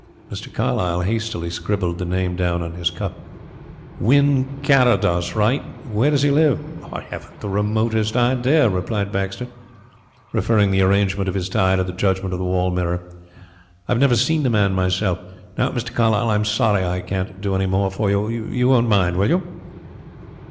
Mr. Carlyle hastily scribbled the name down on his cuff. "Wynn Carrados, right. Where does he live?" "Haven't the remotest idea," replied Baxter, referring the arrangement of his tie to the judgment of the wall mirror. "I have never seen the man myself. Now, Mr. Carlyle, I'm sorry I can't do any more for you. You won't mind, will you?"